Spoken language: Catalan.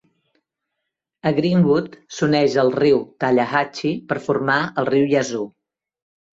A Greenwood s'uneix al riu Tallahatchie per formar el riu Yazoo.